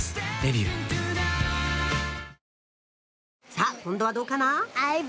さぁ今度はどうかな？